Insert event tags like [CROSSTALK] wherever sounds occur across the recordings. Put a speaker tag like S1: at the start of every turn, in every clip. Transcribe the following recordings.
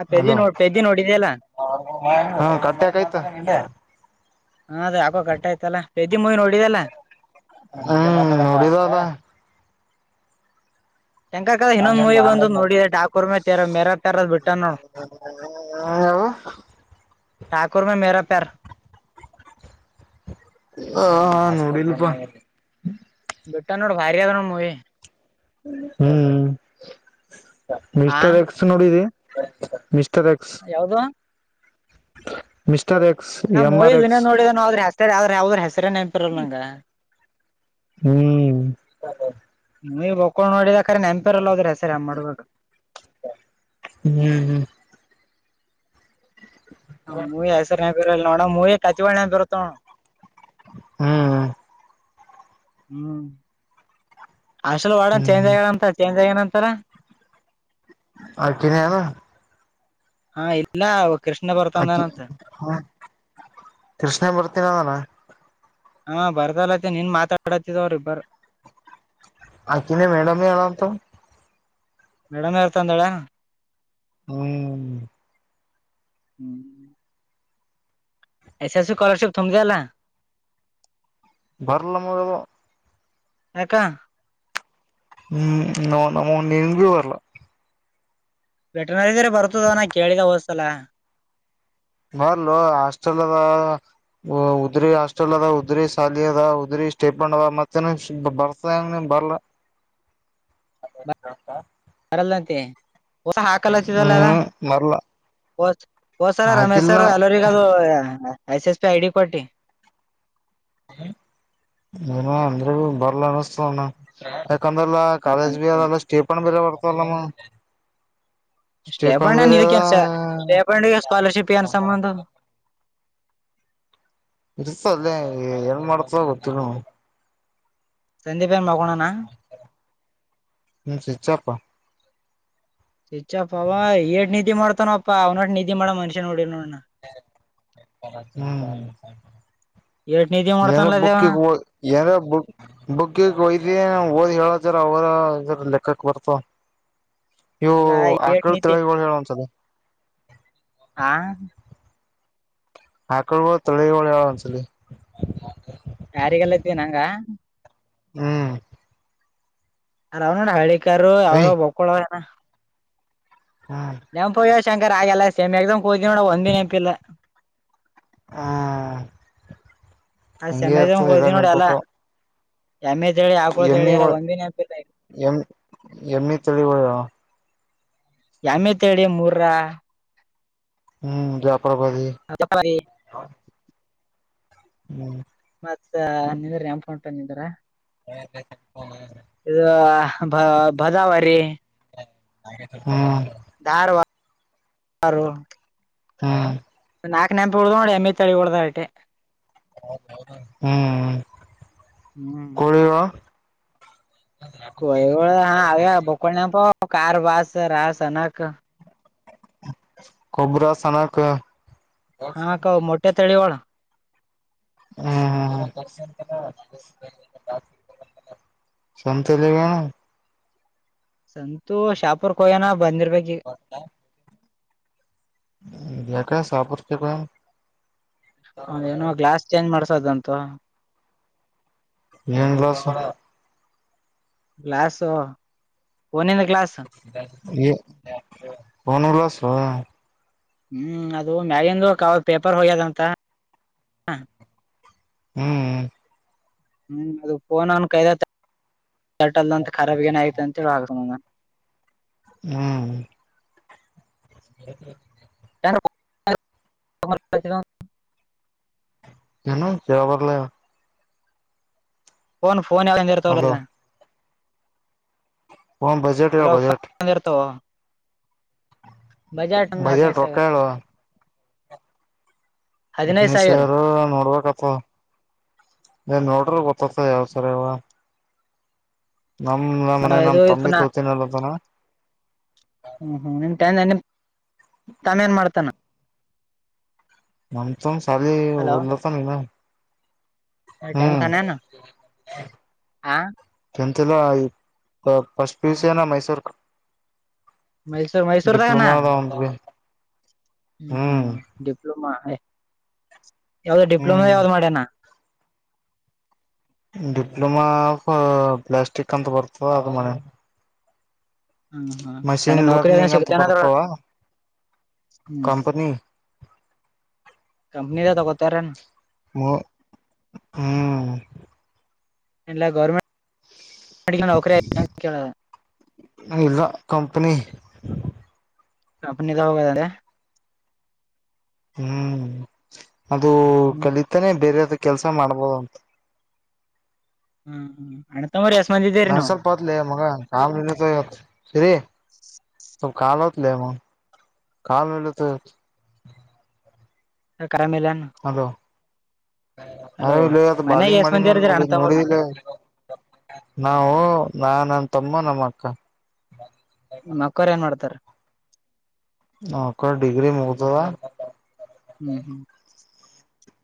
S1: ಆ ಪೆದಿ
S2: ಹಲೋ
S1: ನೋ ಪೆದಿ ನೋಡಿದ್ಯಲ್ಲ
S2: ಹ ಕಟ್ಟಕಾಯ್ತು
S1: ಹ ಅದ ಹಾಕೋ ಕಟ್ಟು ಆಯ್ತಲ್ಲ ಮಗ ನೋಡಿದಲ್ಲ [INAUDIBLE]
S2: ಹ್ಮ್ ನೋಡಿದಲ್ಲ
S1: ಶಂಕ ಕಾರ್ ಇನ್ನೊಂದ ಮೂವಿ ಬಂದು ನೋಡಿ ತಕೊರ್ ಮೇರ ತರದ ಬಿಟ್ಟ ನೋಡು
S2: ಯವು
S1: ಠಾಕರ ಮ ಮೇರ ಪ್ಯಾರ
S2: ಹ ನೋಡಿಲ್ಲಪ
S1: ಬಿಟ್ಟನ್ನೋಡ ಭರಿ ಅದೋನೋಡ ಮುವಿ
S2: ಹ್ಮ್
S1: ಆ
S2: ಮಿಸ್ಟರ್ ಎಕ್ಸ್ ನೋಡಿದಿ ಮಿಸ್ಟರ್ ಎಕ್ಸ್
S1: ಯಾವ್ದು
S2: ಮಷ್ಟ್
S1: ನಾ ಮೂವಿಿನೇ ನೋಡಿದ್ರ ಹೆಸ ಯಾವ್ರ ಯಾವದ್ರ ಹೆಸರೇ ನೆನ್ಪಿರಲ್ ನಂಗ
S2: ಹ್ಮ್
S1: ನೀ ಭೋಕೊಲ್ ನ್ನೊಡಿದ್ಯಕ್ ಕರೆ ನೆನ್ಪೇರಲ್ಲ ಹೋದ್ರೆ ಸರಿ ಅ ಮಾಡುವಾಗ
S2: ಹ್ಮ್
S1: ಮೂವ ಹೆಸರನೆಂಪ ಯಿರರಲ್ಲ ನೋಡಣ ಮೂವಿ ಕತಿಗೊಳ್ ನೆಂಪಾ ಎರತವ್ ನೋಡ್ರಿ
S2: ಹ್ಮ್
S1: ಹ್ಮ್ ಅಷಲ್ ಒಡ ಚೇಂಜ್
S2: ಹ್ಮ್
S1: ಆಯಗನಂತ ಚೇಂಜ್ ಆಯನಂತ ಸರ
S2: ಆಕಿನೆಹಳ್
S1: ಹಾ ಇಲ್ಲ ಕೃಷ್ಣ
S2: ಅ
S1: ಬರ್ತಂದನಂತ
S2: ಕೃಷ್ಣೇ ಬರ್ತೀನಾನ
S1: ಹ ಬರ್ತಾ ಅಲತಿನಿ ನೀನ್ ಮಾತಾಡತ್ತಿದವ್ರ ಇಬ್ಬರ್
S2: ಅಕ್ಕಿನೆ ಮೇಡಮ್ಮ ಅಳ ಆಂತಾ
S1: ಮೇಡಂ ಹೇಳ್ತಾ ಅಂದಳ ಏನ
S2: ಹ್ಮ್
S1: ಹ್ಮ್ ಎಸ್ ಎಸ್ ಸಿ ಸ್ಕಲರ್ಶಿಪ್ ತುಂಬಾ ಇಲ್ಲ
S2: ಬರ್ಲ ನಮಗದು
S1: ಯಾಕ
S2: ಹ್ಮ್ ನೋ ನ ನಿನ್ಗ ಬರ್ಲ್ಲ
S1: ವೆಟನರಿದ್ರ ಬರ್ತದ ನ ಕೇಳಿದ ಹೋದಸಲ
S2: ಬರ್ಲು ಹಾಸ್ಟೆಲ್ದ ಉದ್ರಿ ಹಾಸ್ಟೆಲ್ ಅದ ಉದ್ರಿ ಶಾಲಿ ಅದ ಉದ್ರಿ ಸ್ಟೇಪಂಡ್ ಅದ ಮತ್ತೆ ಬರ್ತಂಗ ಬರ್ಲ
S1: [INAUDIBLE]
S2: [UNINTELLIGIBLE]
S1: ಬರಲ್ಲಂತೆ ಹೊಸ ಹಾಕಲತ್ತಿದಲ್ಲದ
S2: ಹ್ಮ್ ಬರ್ಲ
S1: ಹದ ಹೋದ್ಸರ ರಮೇಶ್
S2: ಹಾಕಿಲ್ಲ
S1: ಸರ್ ಎಲ್ಲರಿಗ ice S P I D ಕೊಡ್ ಟಿ
S2: ನ ಅಂದ್ರೆ ಬರ್ಲ ಅನಿಸತಣ ಕಂದಲ್ಲ ಕಾಲೇಜ ಬಿ ಅಲ್ಲ ಸ್ಟೇಪ ಬರೆ ಬರ್ತಲ್ಲ
S1: ಸ್ಟೇ ಪೊಂಡ ನಿಕ್ಕೆ ಸ್ಟೇ ಪ ಸ್ಕೋಲರ್ಷಿಪ್ ನ್ ಸಂಬಂಧ
S2: ಇಸ ಅಲ್ಲೇ ಏನ್ ಮಾಡ್ತ ಗೊತ್ತುಲ ನೋಡ್
S1: ಸಂದೀಪನ ಮೊಕೊಂಡನ್
S2: ಸ್ವಿಚ್ ಆಫ್
S1: ಚಚ್ಪ್ಪ ಅವ ಏಷ್ಟ ನಿಧತಿ ಮಾಡ್ತಾನಪ್ಪಾ ಅವ್ನಷ್ಟ ನಿಧತಿ ಮಾಡ ಮನುಷ್ಯನ್ ನೋಡಿ ನೋ
S2: ಹ್ಮ್
S1: ಏಟ್ ನಿಧಿ
S2: ಏರ
S1: ಮಾಡ್ತಾನಲ್ಲ
S2: ಬುಕ್ಕ
S1: ದೇವನ
S2: ಏರ ಬು ಬುಕ್ಕ ಹಯ್ದ ಓದ್ ಹೇಳ ಅವರ ಇದ್ರ ಲೆಕ್ಕಕ್ ಬರ್ತ ನೀವು
S1: ಇಲ್ಲ ಏಟ್
S2: ಆಕಳ
S1: ನಿಧಿ
S2: ತಿರಗಿಗಳು ಹೇಳುವ ಒಂದಸಲ
S1: ಆ
S2: ಆಕಳ ತಳಿಳ ಹೇಳ ಒಂದಸಲಿ
S1: ಯಾರಿಗೆಲ್ಲ ಇದ್ದೀ ನಂಗ
S2: ಹ್ಮ್
S1: ಅರಾಮ್ ನೋಡ ಹಳ್ಳಿಕಾರ ಯಾವ್ಯ
S2: ಯ್
S1: ಬಕ್ಕೊಳವ ಹಿನಾ ನೆಂಪುಯ್ಯೋ ಶಂಕರ್ ಹಾಗೆಲ್ಲ ಸೇಮ್ ಎಕ್ಸಮ್ ಕೂತ ನೋಡ ಒಂದಿನ ನೆಪಿಲ್ಲ. ಆ ಸೆಮ್ ಎಕ್ಸಾಮ್ ಹೋದಿ ನೋಡ ಎಲ್ಲ
S2: [UNINTELLIGIBLE]
S1: ಎಮ್ಮೆ ತಳಿ ಆಕಳ ತಳಿ
S2: ಎಮ್ಮಿ
S1: ಎಲ್ಲ
S2: ಒ
S1: ಒಂದೇ ನೆನಪಿಲ್ಲ
S2: ಎ ಎಮ್ಮಿ ತಿಳಿವಲಿ.
S1: [UNINTELLIGIBLE]
S2: ಹ್ಮ್ ಜಾಪರಭತಿ. [INAUDIBLE]
S1: ಮತ್ತ ನಿಂದ್ರ ನೇನಪಾ ನಿಂದರ.
S2: [INAUDIBLE]
S1: ಬ ಬದಾವರಿ.
S2: ಹ್ಮ್.
S1: ಕಾರು.
S2: ಹ್ಮ್.
S1: ನಾಕ ನೆನಪು ಉಡ್ದ್ ನೋಡಿ ಎಮ್ಮಐ ತಳಿ ಹೊಡ್ದ ಆಟೀ.
S2: ಹ್ಮ್ ಹ್ಮ್.
S1: ಹ್ಮ್.
S2: ಕೋಳಿಗಳು
S1: ಕಳವಳ ಹಾ ಆ ಬಕಳ ನ ಪ ಕಾರ ಬಾಸ ರಾಸ ಅನಕ.
S2: ಕೊಬ್ಬರ ಸಣಕ.
S1: ಹಾ ಕೌ ಮಟೆ ತಳಿವಾಳ.
S2: ಹ್ಮ್ ಹ್ಮ್. [UNINTELLIGIBLE]
S1: ಸಂತೂ ಶಾಪುರ್ ಕೊಯ್ಯನ ಬಂದಿರ್ಬೇಕ ಈಗ.
S2: ಯಾಕ್ ಶಾಪೂರಕ ಯಾಕ ಹೋಗ್ಯಾನ.
S1: ಅವದ ಏನೋ ಗ್ಲಾಸ್ ಚೇಂಜ್ ಮಾಡ್ಸದಂತ.
S2: ಏನ ಗ್ಲಾಸು.
S1: ಗ್ಲಾಸ್ಸೊ.
S2: [UNINTELLIGIBLE]
S1: ಹ್ಮ್ ಅದು ಮ್ಯಾಗಿಂದು ಕ ಅವರ್ ಪೇಪರ್ ಹೋಗ್ಯದಂತ.
S2: ಹ್ಮ ಹ್ಮ್.
S1: ಹ್ಮ್ ಅದು ಫೋನ್ ಅನ್ ಕೈದ [UNINTELLIGIBLE]
S2: ಹ್ಮ್. [INAUDIBLE]
S1: [UNINTELLIGIBLE]
S2: ಏನು ಹೇಳ್ವಾಲ್ರಿ.
S1: Fun phone ಯಾವಂದಿರ ತಾವಲ.
S2: ಹ ಬಜೆಟ್ ಹೇಳ್
S1: ಹಲೋ
S2: ಬಜೆಟ್.
S1: ಫೋನ್ ಇರ್ತಾವ ಬಜಾಟ್ ಒಂದ್
S2: ಬಜೆಟ್
S1: ಹದಿನೈದು ಸಾವಿರ
S2: ರೊಕ್ಕಾ ಹೇಳೋ.
S1: ಹದಿನೈದು
S2: ಅಗ್ನ್
S1: ಸಾವಿರ
S2: ಶರ ನೋಡ್ಬೇಕ. ಹ್ಮ್ ಏನ್ ನೋಡ್ರ ಗೊತ್ತತ್ತ ಯಾವ ಸರಾವ. ನಮ್ ನ ಮನೆ ನಮ್
S1: ಇದು
S2: ತಂಬಿ
S1: ಪುನಃ
S2: ತೋತನಲ್ಲದನ.
S1: ಹ್ಮ್ ಹ್ಮ್ ನಿಮ್ ಟೈ ನಿಮ ತಮ್ಮ ಏನ್ ಮಾಡ್ತಾನ.
S2: ನಮ್ಮ ತಮ್ಮ ಸಾಲಿ
S1: ಹಲೋ
S2: ಓದಲಾತಾನ ಇನ್ನ್.
S1: [UNINTELLIGIBLE]
S2: ಲ್ಲ ಪಫಸ್ಟ್ ಪ್ಯೂಸಿಯನಾ ಮೈಸೂರಕ.
S1: ಮೈಸೂರು ಮೈಸೂರದಾಗ ಅಣ್ಣಾ
S2: ಅವಂದ್ ಬಿ ಹ್ಮ್
S1: ಹಾ ಡಿಪ್ಲೋಮಾ. ಯಾವ್ದೋ ಡಿಪ್ಲೊಮಾ
S2: ಹ್ಮ್
S1: ಯಾವ್ದ್ ಮಾಡ್ಯನಾ.
S2: ಡಿಪ್ಲೊಮಾ ಆಫ್ ಪ್ಲಾಸ್ಟಿಕ್ ಅಂತ ಬರ್ತದ ಅದು ಮಾಡ್ಯಾನ.
S1: ಹ್ಮ್ ಹ್ಮ್ ಚಂದ್ರೆ ನೌಕರಿ ಅದ
S2: ಲರ್ನಿಂಗ್ ಅಂತ
S1: ಸಿಗ್ತನ
S2: ಬರ್ತವ
S1: ಹ್ಮ್.
S2: ಕಂಪನಿ
S1: ಕಂಪನಿ ಅದ ತಗೋತರ ಏನ.
S2: ಹ್ಮ್
S1: ಎಲ್ಲ ಗೌರ್ಮೆಂಟ್ ನೌಕರಿ ಐತ ಅಂತ ಕೇಳದ
S2: ಇಲ್ಲ ಕಂಪನಿ
S1: ಅನ ತ ಹ ದಾರೆ [INAUDIBLE]
S2: ಹ್ಮ್ ಅದು
S1: ಹ್ಮ್
S2: ಕಲಿತಾನೆ ಬೇರೆದ ಕೆಲ್ಸ ಮಾಡ್ಬೋದು ಅಂತ
S1: ಹ್ಮ್ಮ ಅ
S2: ನಂಗಸರ್ ಪತಲಿ ಲಿ ಮಗ ಕಾಮ ಇ ಶರಿ ಸ ಕಾಲ ಹೊತಲ ಮ ಕಾಲ ನಲತ
S1: ಯಾಕ ಆಮೇಲೆ
S2: ಅ ಇಲ್ಲತ್
S1: ಮನ್ಯಾಗ
S2: ಬಾಲಿಂಗ್
S1: ಎಸ್ ಮಂದಿ
S2: ಮಾಡಿನ
S1: ಇರ್ದಿರಿ
S2: ನೋಡ ನೋಡ
S1: ಅಣ್ಣತಮ್ಮರು
S2: ಎಲ್ಲಾ ನಾವು ನಾ ನನ್ ತಮ್ಮ ನಮ್ಮ ಅಕ್ಕ
S1: ನಿ ಅಕ್ಕರ್ ಏನ್ ಮಾಡ್ತಾರ
S2: ಅಕ್ಕ ಡಿಗ್ರಿ ಮುಗಿದು
S1: ಹ್ಮ್ ಹ್ಮ್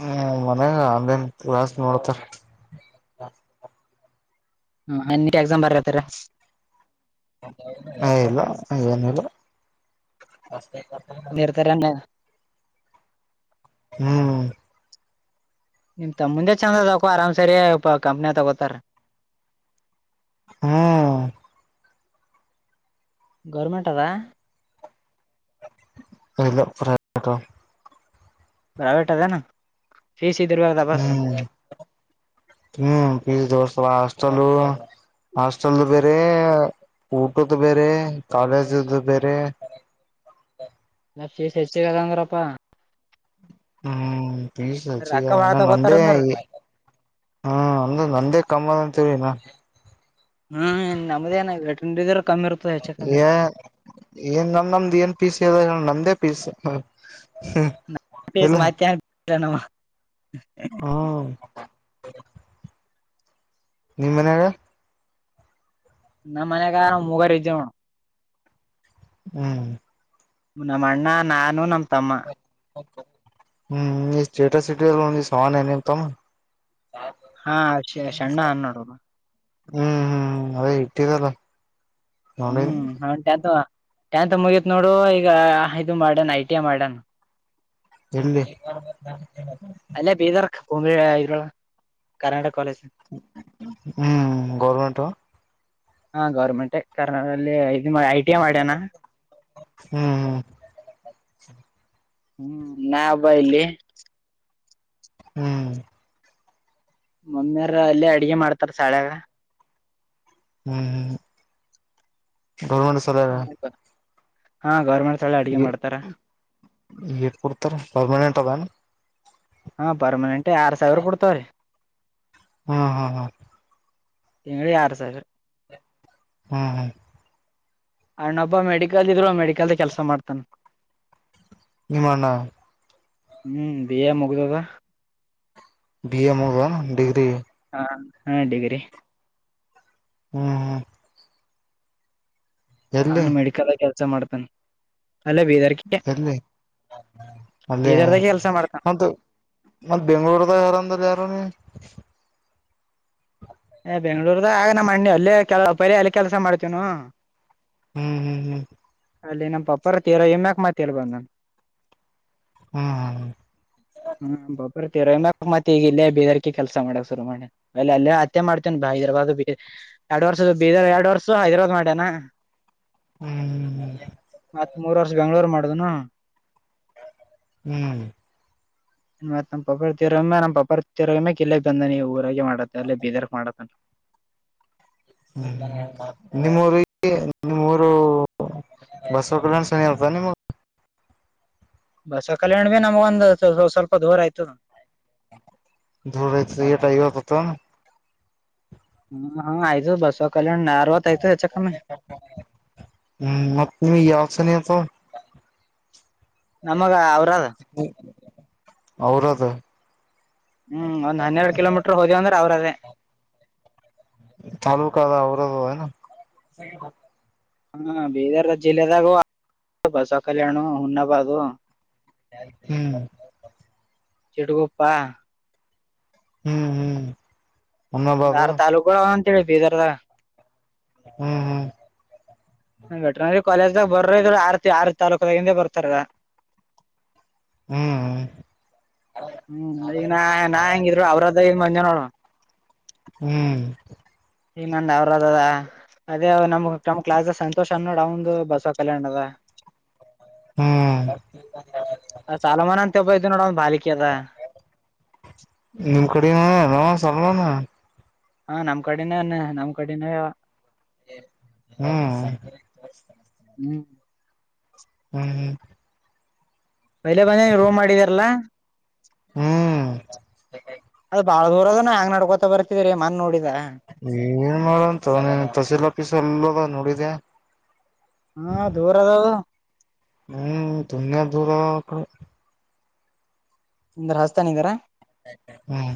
S2: ಹ್ಮ್ ಮನಾಗ ಆನ್ಲೈನ್ ಕ್ಲಾಸ್ ನೋಡ್ತಾರ
S1: ಹ ಅ ಎಕ್ಸಾಮ್ ಬರಲತರ
S2: ಹ ಇಲ್ಲ ಏನಿಲ್ಲ
S1: ನೀರ್ತರ
S2: ಹ್ಮ್
S1: ನಿಮ್ ತ ಮುಂದೆ ಚೆಂದದಕೋ ಆರಾಮ್ ಸರಿ ಕಂಪ್ನಿ ತಗೋತಾರ
S2: ಹ್ಮ್
S1: ಗೌರ್ಮೆಂಟ್ ಅದಾ
S2: ಇಲ್ಲ ಪ್ರೈವೇಟ್ ಆಗ
S1: ಪ್ರೈವೇಟ್ ಏನು
S2: ಹ್ಮ್ ಹ್ಮ ದೋಸ್ತ ಹಾಸ್ಟೆಲ್ ಹಾಸ್ಟೆಲ್ದು ಬೇರೆ ಊಟದ ಬೇರೆ ಕಾಲೇಜದು ಬೇರೆ
S1: ನೀ ಹೆಚ್ಚೆಗದ ಅಂದ್ರಪ್ಪ [INAUDIBLE]
S2: ಹ್ಮ್ ಸಚಗ
S1: ರೊಕ್ಕ ಬಾಳ ತಗೋತಾರ
S2: ನಂದೇ
S1: ಅಂದ್ರ
S2: ಹ್ಮ ನ ನಂದೇ ಕಮ್ಮ ತರನಾ
S1: ಹ್ಮ್ ನಮ್ದೇ ನಟ್ರ
S2: ಏ ಏನ್ ನಂದ ನಮ್ದ್ ಏನ್ ಪಿ ಸಿ ಅದ ನಮ ಪ್ಮ [INAUDIBLE]
S1: ಮಾಡತ್ಯ [INAUDIBLE]
S2: ಹಾ ನಿಮ್ಮ ಮನ್ಯಾಗ
S1: ನಮ್ಮ ಮನೆಗ ಮೂವರು ಇದ್ದವ
S2: ಹ್ಮ್
S1: ನಮ್ಮ ಅಣ್ಣ ನಾನು ನಮ ತಮ್ಮ
S2: ಹ್ಮ್ ಈ ಸ್ಟೇಟಸ ಇತ್ತಿಯಲ್ಲ ಸಾಮಾನ ಏನೆೇಮ್ ತಮ್ಮ
S1: ಹಾ ಸಣ್ಣ ಹ ನೋಡ
S2: ಹ್ಮ್ ಹ್ಮ್ ಅದೇ ಇಟ್ಟಿ ದಲ್ಲ
S1: ಹ್ಮ್ ತೆಂತ್ ಅದುವಾ ತೆಂತ ಮುಗೀತ್ ನೋಡು ಈಗ ಇದು ಮಾಡಣ ಐ ಟಿ ಮಾಡಣ
S2: ಎಲ್ಲಿ
S1: ಅಲ್ಲ ಬೀದರ್ ಭೂಮಿ ಕರ್ನಾಟಕ ಕಾಲೇಜ್
S2: ಹ್ಮ್ ಗವರ್ನಮೆಂಟ್ ಹ
S1: ಹಾ ಗೌರ್ಮೆಂಟ್ ಕರ್ನಾಡದಲ್ಲಿ ಆಯ್ತ ನಿಮ್ಮ ಐ ಟಿ ಐ ಮಾಡ್ಯನಾ
S2: ಸರಿ
S1: ಹ್ಮ್ ನಬ ಇಲ್ಲಿ
S2: ಹ್ಮ್
S1: ಮಮ್ಮಿಯಾರ ಅಲ್ಲೆ ಅಡಿಗೆ ಮಾಡ್ತಾರ ಸಾಲ್ಯಾಗ.
S2: ಹ್ಮ್ ಹ್ಮ್ [UNINTELLIGIBLE]
S1: ಹಾ ಗೌರ್ಮೆಂಟ್ ಸಾಲ್ಯಾಗ್ ಅಡ್ಗೆ
S2: ಏ
S1: ಮಾಡ್ತಾರ
S2: ಎಟ್ ಕೊಡ್ತಾರ ಪರ್ಮನೆಂಟ್ ಅದನ.
S1: ಹಾ ಪರ್ಮನೆಂಟ್ ಆರು ಸಾವಿರ ಕೊಡ್ತಾವ್ರಿ.
S2: ಹ್ಮ್ ಹಾ ಹಾ
S1: ಯಾರ್ ಸೌಜು
S2: ಹ್ಮ್ ಹ್ಮ್
S1: ಅಣ್ಣಬ್ಬ ಮೆಡಿಕಲ್ ಇದ್ರು ಮೆಡಿಕಲ್ದ ಕೆಲ್ಸ ಮಾಡ್ತಾನ.
S2: ನಿಮ್ಮಣ್ಣ
S1: ಹ್ಮ್ ಬಿ ಏ ಮುಗ್ದದ.
S2: ಬಿ ಎ ಮುಗ್ದಾವ್ ಏನ್ ಡಿಗ್ರಿ.
S1: ಹ ಹಾ ಡಿಗ್ರಿ
S2: ಹ್ಮ್ ಹ್ಮ್
S1: ಅಣ
S2: ಎಲ್ಲಿ
S1: ಮೆಡಿಕಲ್ ಆಗ್ ಕೆಲ್ಸ ಮಾಡ್ತಾನ್.
S2: ಎಲ್ಲಿ ಅಲ್ಯ
S1: ಬೀದರ್ದಾಗ ಕೆಲ್ಸ ಮಾಡ್ತಾನ
S2: ಅದು ಮತ್ತ ಬೆಂಳೂರ್ದ ಆದಾರ್ ಯಾರಂದ್ರ ಯಾರು ನೀ.
S1: ಬೆಂಗ್ಳೂರ್ದ ಆಯ ನಮ್ ಅಣ್ಣಿ ಅಲ್ಲೇ ಕೆಲ ಪರಿ ಎಲ್ಲ ಕೆಲಸ ಮಾಡ್ತೇವ್ ನವು
S2: ಹ್ಮ್ ಹ್ಮ್ ಹ್ಮ್
S1: ಅಲ್ಲಿ ನಮ್ಮ ಪಪ್ಪಾರ ತೀರ್ ಹೋಗಿದ್ಮ್ಯಾಕ್ ಮಾತ್ತ್ ಇಲ್ ಬಂದಾನ.
S2: ಹ್ಮ್
S1: ಪಪ್ಪರ್ ಕ್ ಮತ್ತೆ ಈಗ ಇಲ್ಲೇ ಬೀದರ್ಕಿ ಕೆಲಸ ಮಾಡಕ್ ಶುರು ಮಾಡಿನಿ ಅಲ್ ಅಲ್ಯಾ ಮೆ ಮಾಡ್ತೇನ್ ಬ ಹೈದರಾಬಾದ್ ಬ ಎರಡ್ ವರ್ಷದ ಬೀದರ್ ಎರಡು ವರ್ಷ ಹೈದರಾ ಮಾಡ್ಯನ.
S2: ಹ್ಮ್ ಹ್ಮ್
S1: ಮತ್ತ್ ಮೂರ್ ವರ್ಷ ಬೆಂಗ್ಳೂರು ಮಾಡ್ದುನು.
S2: ಹ್ಮ್
S1: ಮತ್ ನಮ್ ಪಪ್ಪ ತಿರ್ ನಮ್ಮ ಪಪ್ಪರ್ ತಿರ್ ಹೋದ್ಮ್ಯಾಕ್ ಇಲ್ಲಿಗ್ ಬಂದನ್ ಇವಾಗ್ ಊರಾಗೆ ಮಾಡತ್ತ ಅಲ್ಲೇ ಬೀದರ್ಗ್ ಮಾಡ [INAUDIBLE]
S2: ಹ್ಮ್ ಹ್ಮ್ ನಿಮ್ಮೂರುಗೆ ನಿಮ್ಮೂರು ಬಸವಕಲ್ಯಾಣ ಸಮೀಪ ಆತ ನಿಮ
S1: ಬಸವ ಕಲ್ಯಾಣ್ ಭೀ ನಮ್ಗೊಂದು ಸ್ ಸ್ವಲ್ಪ ದೂರ ಆಯ್ತನ.
S2: ದೂರ ಇತ್ತ್ ಎಟ್ ಐವತ್ತತ
S1: ಹ್ಮ್ ಹಾ ಐದೋ ಬಸಕ್ ಕಲ್ಯಾಣಾರ್ವತ್ ಆಯ್ತ ಹೆಚ್ಚು ಕಮ್ಮಿ.
S2: ಸನಿಹಾತ
S1: ನಮಗ ಅವ್ರದ್
S2: ಹ್ಮ್ ಔರದ್
S1: ಹ್ಮ್ ಒಂದ್ ಹನ್ನೆರಡು ಕಿಲೋಮೀಟ್ರ ಹೋದೇವಂದ್ರ್ ಅವ್ರದೇ.
S2: ತಾಲೂಕದ ಔರಾದ ಏನು.
S1: ಹಾ ಬೀದರ್ ಜಿಲ್ಲೆದಾಗೂ ಆ ಬಸವ ಕಲ್ಯಾಣ ಹುಮ್ನಾಬಾದು.
S2: ಹ್ಮ್
S1: ಚಿಟಗುಪ್ಪ
S2: ಹ್ಮ್ ಹ್ಮ್. ಅನ್ನಬಾದು
S1: ಆರ್ ತಾಲೂಕು ಅಂತೀವ್ ಬೀದರ್ದ.
S2: ಹ್ಮ್ ಹ್ಮ್
S1: ವೆಟ್ರನರಿ ಕಾಲೇಜ್ದಾಗ ಬರ್ರ ಇದ್ರರು ಆರ್ತಿ ಆರ್ ತಾಲೂಕದ ಹಿಂದೆ ಬರ್ತಾರ.
S2: ಹ್ಮ್
S1: ಹ್ಮ್ ಈಗ ನಾ ನಾ ಹೆಂಗಿದ್ರು ಔರಾದಾಗ್ ಮಂಜೆ ನಾನ್
S2: ಹ್ಮ್
S1: ಈಗ್ ನನ್ ಔರದದ ಅದೇ ನಮ್ ನಮ್ ಕ್ಲಸ್ ಸಂತೋಷ ಅನ್ನ ನೋಡ ಅವಂದು ಬಸವ್ ಕಲ್ಯಾಣ ದ
S2: ಹ್ಮ್
S1: ಅ ಚಲಮಾನಂತಪ್ಪದು ನೋಡ ಒಂದು ಬಾಲಿಕದ.
S2: ನಿಮ್ ಕಡೆನಾಮ ಸಲ್ಮಾನ.
S1: ಹಾ ನಮ್ ಕಡೆನೇ ನಮ್ ಕಡೆನೇ.
S2: ಹ್ಮ್.
S1: ಹ್ಮ್.
S2: ಹ್ಮ್ ಹ್ಮ್.
S1: ಮೈಲೆ ಬಂದ ನೀವ ರೂಮ್ ಮಾಡಿದಾರಲ್ಲಾ.
S2: ಹ್ಮ್
S1: ಅದ ಬಾಳ ದೂರ ಅದ ಹೆಂಗ್ ನಡ್ಕೊತ ಬರ್ತಿದ್ರೀ ಮನ್ ನೋಡಿ.
S2: ಏನ್ ಮಾಡಂತ ನೀನ್ ತಸಿಲ್ ಪಿಸ ಎಲ್ಲದ ನೋಡಿದ.
S1: ಹಾ ದೂರ ಅದ.
S2: ಹ್ಮ್ ತುಂಬ ದೂರಡೆ.
S1: ನಿಂದ್ರ ರಾಜಸ್ಥಾನ್ ಇದಾರಾ.
S2: ಹಾ.